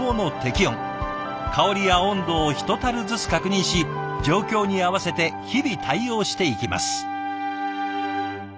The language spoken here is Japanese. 香りや温度をひとたるずつ確認し状況に合わせて日々対応していきます。